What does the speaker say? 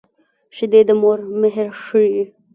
شیدې د مور مهر ښيي